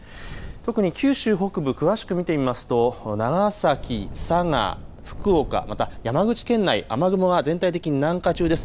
特に九州北部、詳しく見てみますと長崎、佐賀、福岡、また山口県内、雨雲が全体的に南下中です。